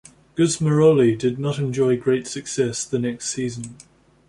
Gusmeroli did not enjoy great success the next season.